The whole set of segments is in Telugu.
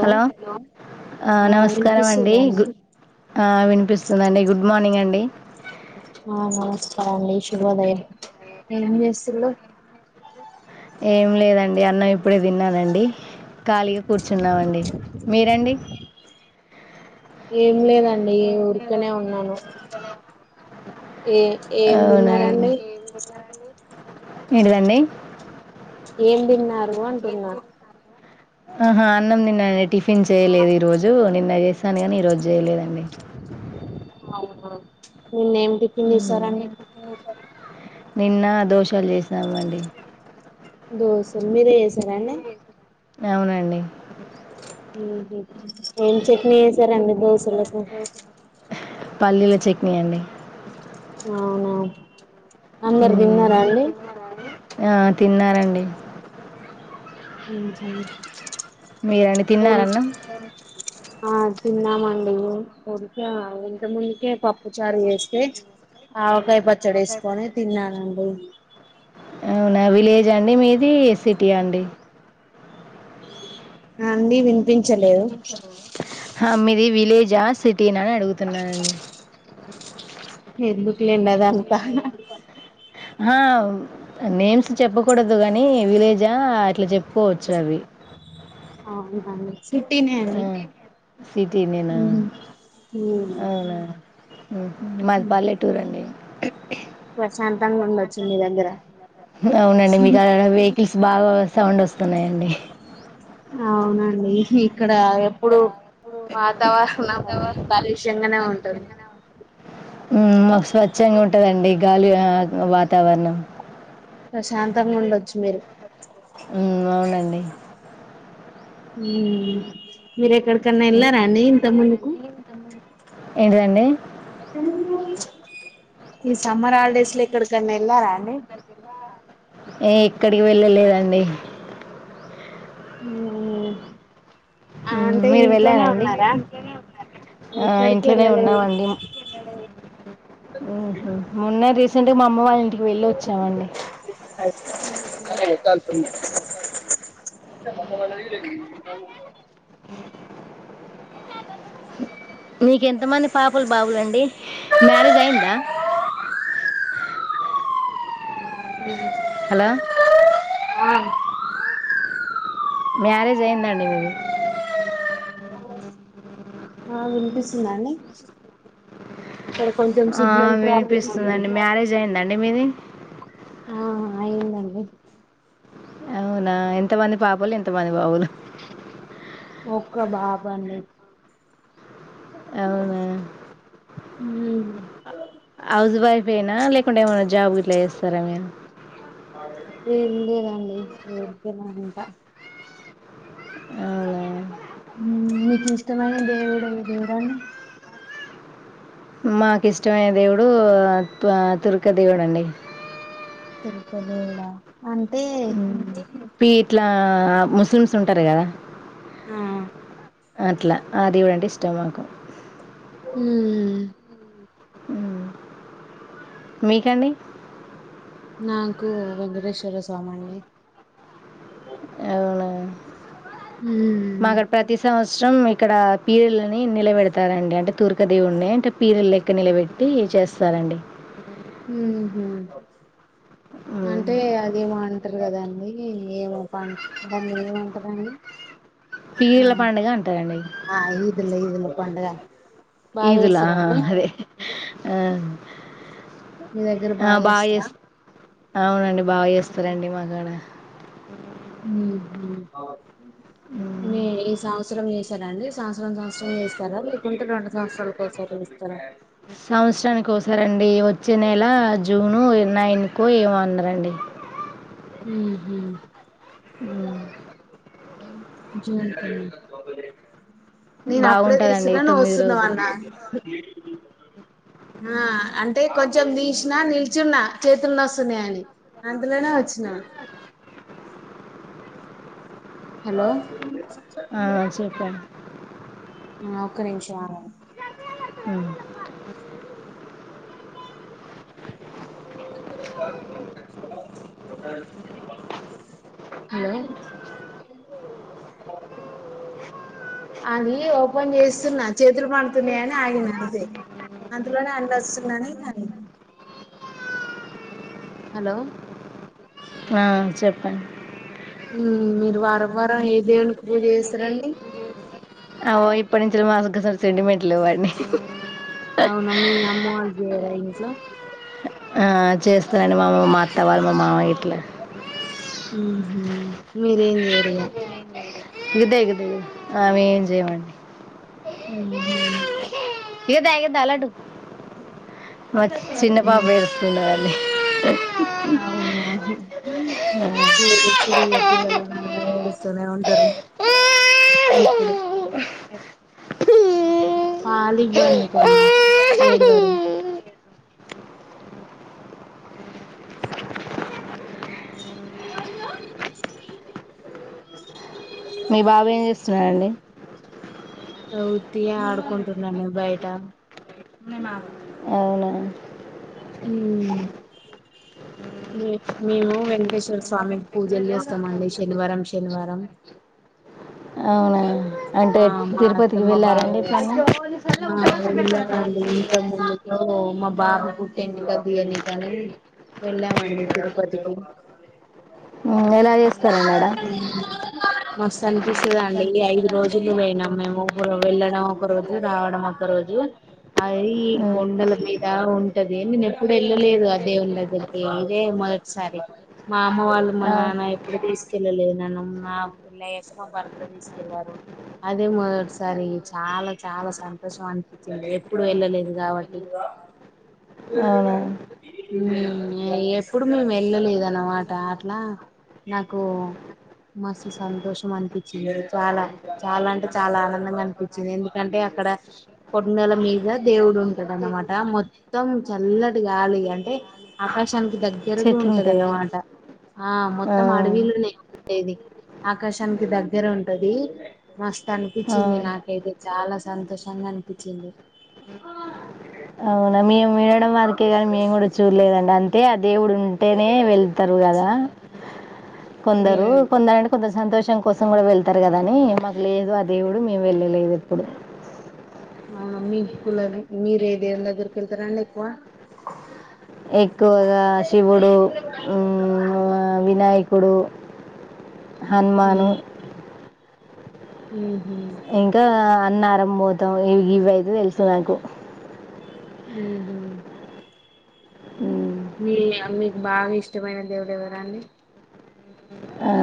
హలో ఆ నమస్కారం అండి ఆ వినిపిస్తుంది పిస్తుంది అండి గుడ్ మార్నింగ్ అండి ఆ నమస్కారం అండి శుభోదయం ఏం చేస్తుళ్లు ఏం లేదండి అన్నం ఇప్పుడే తిన్నానండి, ఖాళీగా కూర్చున్నామండి మీరండి ఏం లేదన్ అండి ఊరికనే ఉన్నాను ఏ ఏం అవునా తిన్నారండి ఏంటిదండి ఏం తిన్నారు నువో అంటున్న ఆహా అన్నం తిన్న అండి టిఫిన్ చేయలేదు ఈ రోజు నిన్న చేసాను కాని ఈ రోజు జేయలేదండి అవునా నిన్న ఏం టిఫిన్ ఉమ్. చేసారండి దోశలు చేసినాం అండి దోసెలు అవునండి ఉ హు ఏం చెట్నీ చేసారండి దోసెలకు పల్లీల చట్నీ అండి అవున అందరు ఉమ్. తిన్నారా అండి ఆ తిన్నారండి ఉ [unintelligible] మీరండి తిన్నార అన్నం ఆ తిన్నామండి [unintelligible] ఇంతకు ముందుకే పప్పు చారు చేేస్తే ఆ ఒక పచ్చడి వేసుకొని తిన్నానండి అవునా విలేజ అండి మిది ఇది సిటి అండి అండి [unintelligible] మీది విలేజా సిటీన అని అడుగుతున్నానండి ఎందుకులెండి అదంతా హా నేమ్స్ చెప్పకూడదు గాని విలేజా అట్ల చెప్పుకోవచ్చు అవి అవునండి సిటీినే అండి సిటీ నేనా అవునా మాది పల్లెటూర్ అండి ప్రశాంతంగా ఉండొచ్చు మీ దగ్గర అవునండి మీకు అలా వెహికల్స్ బాగా సౌండ్ వస్తున్నాయండి అవునండి ఇక్కడ ఎప్పుడు వాతావరణం కాలుష్యన్గనే ఉంటది. హ్మ్మ్ మాకు స్వచ్ఛంగా ఉంటుందండి గాలి వాతావరణం ప్రశాంతంగా ఉండొచ్చు మీరు హ్మ్ అవునండి హ్మ్మ్ మీరెక్కడ ఎటన్న మ్మ్. ఎల్లారా అండి ఇంతకు ముందుకు ఏంటిదండి [inaudible] ఈ సమ్మర్ హాలిడేస్ ల ఎక్కడ కన్నా ఎల్లారా అండి ఏ ఎక్కడికి వెళ్ళలేదండి హు హ్మ్మ్ మీరు వెళ్ళారండి ఆ ఎక్కడికి ఇంట్లోనే వెళ్ళలేదు ఉన్నామండి హ్మ్ మొన్నే రీస్ మా అమ్మ వాళ్ళ ఇంటికి వెళ్ళి వచ్చామండి [inaudible] మీకు ఎంతమంది పాపలు బాబులండీ మ్యారేజ్ అయిందా హలో ఆ మ్యారేజ్ అయిందా అండి మీది ఆ వినిపిస్తుందా అండి ఇక్కడ కొంచెం ఆ సిగ్నల్ ప్రాబ్లం ఉంది వినిపిస్తుందండి మ్యారేజ్ అయిందా అండి మీది ఆ అయిందండి అవునా ఎంతమంది పాపలు ఎంతమంది బావులు ఒక్క బాబ అండి అవునా హౌస్ వైఫ్ అయినా లేకుంటే ఏమైన్నా జాబ్ ఇట్లా చేస్తారా మీరు ఏం లేదండి ఊరికనా ఇంకా అవునా హ్మ్మ్ మీకు ఇష్టమైన దేవుడు ఆ దేవుడండి మాకు ఇష్టమైన దేవుడు త్వ తురక దేవుడండి తిరుప దేవుడా అంతే పి ఇట్లా ముస్లిమ్స్ ఉంటరు కదా ఆ ఆ అట్లా ఆది [unintelligible] ఇష్టం మాకు మ్మ్ మ్మ్ మీకండి నాకు వెంకటేశ్వర స్వామండి అవునా అండి మాగడ్ ప్రతి సంవస్ శ్రమ్ ఇక్కడ పియర్లనీ నిలబెడతారండి అంటే తుర్కదేవుడ్ని అంటె పీరల్ లెక్ పక్క నిలబెట్టి చేస్తారండి మ్మ్ హు మ్మ్. అంటే అది ఏమో అంటరు కదాండి ఏమో ప దాన్ని ఏమంటరండి పీర్ల పండుగ అంటారండి పండగ ఈదులా అదే ఆ నీ దగ్గర ఆ, బా బాగా చేేస్తరా చేస్ అవునండి బాగ్ చేస్తరండి మాకాడ మ్మ్ హు మీ మ్మ్. ఈ సంవసరం చేసారా అండి సంస్రం సంస్రం చేస్తారా లేకుంటే రెండు సంవత్సరాల కోసారి చేస్తారా సంవత్సరానికి ఒకసారి అండి వచ్చే నెల జూను నైన్కు ఏమన్నారండి మ్మ్ హు మ్మ్ మ్మ్ జీ [inaudible] నేనప్పుడే బాగుంటుందండి తీస్తున్నా తొమ్మిది నువస్తున్నావ్ రోజులు అన్న ఆ అంటే కొంచెం తీసినా నిల్చున్న చేతుల్ నొస్తున్నాయ్ అని అంతలోనే వచ్ నా హలో అవున చెప్పం ఆ ఒక్క నిమిషం ఆగండి అ [inaudible] హలో అది ఓపెన్ చేస్తున్నా చేతులు మండుతున్నయని ఆగిన అంతే అంతలోనే అన్నొస్తుండని ఇంగ చె హలో ఆ చెప్పండి మీరు వారం వారం ఎ దేవునికి పూజ చేస్తారండి ఇప్పుటి నుంచిరు మాస [unintelligible] స సెండిమెంట్లు అన్ని అవునా మీ అమ్మ వాళ్ళు చేయరా ఇంట్లో ఆ చేస్తనండి మామ మా అత్త వాళ్ళు మా మావయ్య ఇట్ల హ్మ్ హు మీరేం చేయరీగా [unintelligible] ఆవేం చేయమండి హ్మ్ హు ఏదాగద అలడు మా చిన్న ఉహు, పాప ఏడుస్తోంది అండి. అవునా అడుస్తురిగా ఎడుస్తనే ఉ దరు ఎప్పుడు పాలివ్వండి కొన్ని ఏడవరు మీ బాబు ఏం చేస్తున్నాడండి వుతిగ ఆడుకుంటున్నారు బయట అవున అవున ఊ మ్ మేము వెంకటే స్వామి పూజలు చేస్తామండి శనివారం శనివారం అవన ఆ మా అత్త మా బావ ఎప్పుడన్నా మా వెళ్ళామండి ఇంకా ముందుతో మా బాగా పుట్టిడి కది అని కాని వెళ్ళామండి తిరుపతికి మొబైల్ ఎలా చేస్తరండాడ తన్ఫిష్ తదే అండి ఈ ఐదు రోజులు పోయినా మేము వెళ్ళడం ఒక రోజు రావడం ఒక రోజు అది ఉమ్. కొండల మీద ఉంటది నేను ఎప్పుడు వెళ్ళలేదు అ దేవుని దగ్గరికి ఇదే మొదటిసారి మా అ వాళ్ళు మా ఆ, నాన్న ఎప్పుడు తిస్ పిల్వలె నన్ను నా పిల్ల ఎసిన భర్త తీసుకెళ్లారు అదే మొదటిసారి చాలా చాలా సంతోషం అనిపించింది ఎప్పుడు వెళ్ళలేదు కాబట్టి ఉ అవునా ఇగ ఎప్పుడు మేము వెళ్ళలేదు న్నమాట అట్లా నాకూ మస్తు సంతోషం అనిపించింది చాలా చాలంటే చాలా ఆనందంగా అనిపించింది ఎందుకంటే అక్కడ కొడుండల మీద దేవుడు ఉంటడనమాట మొ మొత్తం చల్లటి గాలి అంటే ఆకాశానికి చెట్లు దగ్గిరగుంటది ఉంటాయా అన్నమాట ఆ మొత్తం అడవిలోనే ఏది ఆకాశానికి దగ్గరుంటది మస్త్ ఆ, అనిపించింది నాకైతే చాలా సంతోషం ఇష్టంగా అనిపించింది అవును మేము వినడం వరకే గాని మేము గుడా చూల్లెదండి అంతే ఆ దేవుడు ఉన్ ఉంటేనే వెళ్తరు గదా కొందరు కొందరంటే కొందరు సంతోష్ తన కోసం కూడా వెళ్తారు కదా అని మాకు లేదు ఆ దేవుడు మేము వెళ్ళలేదు ఎప్పుడు అవునా మీకి కుల మీరు ఏ దేవుని దగ్గరికి వెళ్తారండి ఎక్కువ ఎక్కువగా శివుడు ఊ ఆ వినాయక్ పుడు హన్మాను ఉ ఇంకా అన్నవరం పోతాం ఇవి ఇవి అయితే తెలుసు నాకు ఉహూ మీ అమ్మి బాగా ఇష్టమైన దేవుడు ఎవరండీ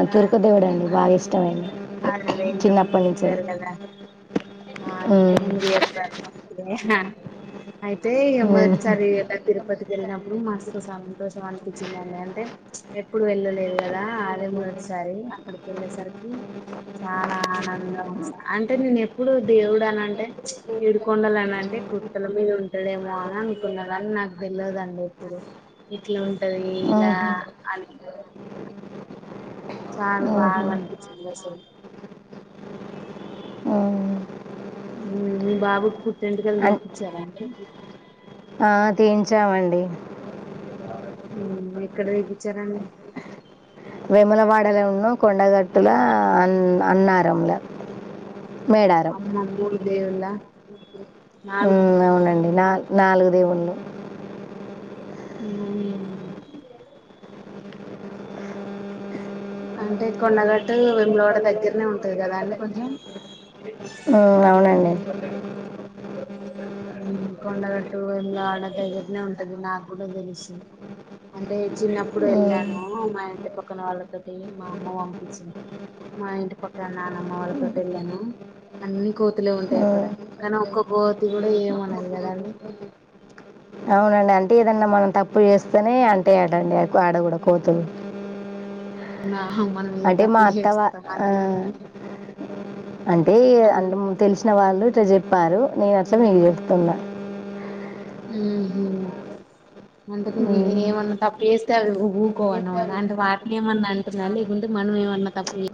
ఆ తురుకు దేవుడు అండి బాగా ఇష్టమైంది అదే అదే ఇంత ముందు చిన్నప్పటి నుంచి చెప్పారు కదా ఇంత ముంది చెప్పారు అయితే మొదటిసారి ఇలా తిరుపతికి వెళ్ళినప్పుడు మస్తు సంతోషం అనిపించిందిండి అంటే ఎప్పుడు వెళ్ళలేదు కదా దా అదే మూడ్ సరే అక్కడికెళ్ళేసరికి చాలా ఆనందం వెస్ అంటే నేను ఎప్పుడు దేవుడు అన్ని అంటే ఏడుకొండలు అన్ని అంటే గు తల మీద ఉంటడేమోన్ కున్నదని నాక్ దెల్వదండి ఇప్పుడు ఇట్లున్ ఉహు చాలా బాగ అన్పిచ్చింది అసలు ఉమ్ మీ బాబుకి పుట్టెంటికల్ దీపిచ్చార అండి ఆ తీయించామండి ఉ ఎక్కడ దీపిచ్చారండి వేములవాడలో ఉన్నా కొండగట్టుల అన్ అన్నారంలో మేడారం అమ్మోమ్మో మూడు దేవుళ్ళ నాలుగు హ్మ్ అవునండి నాల్ నాలుగు దేవుళ్ళు హ్మ్ అంటే కొండగట్టు వేములవాడ దగ్గరనే ఉంటది కదా అండి కొంచెం హ్మ్ అవునండి హ్మ్మ్ కొండగట్టు వేములవాడ దగ్గరనే ఉంటది నాకు కూడా తెలిసు అంటే చిన్నప్పుడు మ్మ్, వెళ్ళాను మా ఇంటి పక్కన వాళ్ళ మా అమ్మ పంపించింది మా ఇంటి పక్కన నానమ్మ వాళ్ళతోటి ఎళ్ళాను అన్ని కోతులే ఉంటాయి అక్కడ మ్మ్, కానీ ఒక్క కోతి కూడా ఏమనదు కదాండి. అవునండి అంటే ఏదన్నా మనం తప్పు చేస్తేనే అంటై అటండి ఆడ కూడ కోతులు నా మనం ఏం అంటే మా తప్పు అత్తవా చేస్తాం ఆ అని అంటే అని అంటే తెలిసిన వాళ్ళు ట్ల చెప్పారు నేనట్లనే నీకు చెప్తున్నా హ్మ్ హ్మ్ అంటే మ్మ్. ఏమన్నా తప్పు చేస్తే అవి ఊకోవన్నమాట అంటే వాటిని ఏమన్నా అంటుందా లేకుంటే మనం ఏమన్నా తప్పు చే,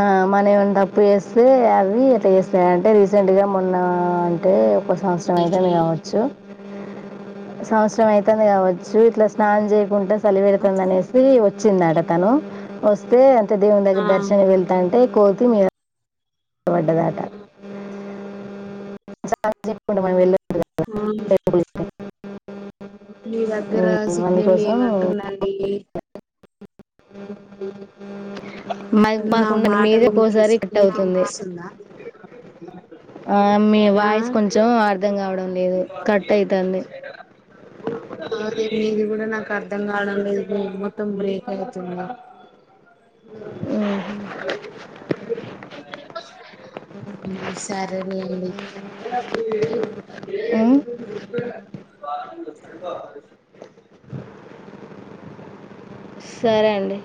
ఆ మన ఏమన్న తప్పు చేస్తే అవి ఎట్ట చేస్తాయంటే రీసెంట్ గా మొన్న అంటే, [unintelligible] చేసి అయితది కావచ్చు సంవత్సరం అయితంది కావచ్చు ఇట్లా స్నానం చేయకుంట చలివెడతంది అనేసి వచ్చిందడ తను వస్తే తే దేవుని దగర ఆ దర్శ్ చై ఎల్తఅంటే కోతిమీద వంటదాట సార్ కి చెప్పోండి మరి వెళ్ళి ఆ నీనర్ గ్గర సిగ్నల్ అందుకోసం లేనట్టుందండి మా- నా మాకుండ మాటలు మీదే మీకిస్ ఒక్కోసారి కట్ అవుతుంది నీకినిపిస్తుందా ఆ, మీ ఆ వాయిస్ కొంచెం అర్థం కావడం లేదు కట్ అవుతుంది ఆ మీది కూడ్ నాకు అర్థం కావడం లేదు బ్రేక్ మొత్తం బ్రేక్ అయితుంది ఉమ్. సరేలేండి ఉమ్ [inaudible] సరే అండి